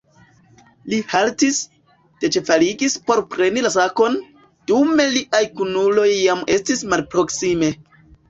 Li haltis, deĉevaliĝis por preni la sakon, dume liaj kunuloj jam estis malproksime.